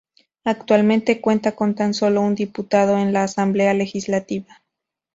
Actualmente cuenta con tan solo un diputado en la Asamblea Legislativa.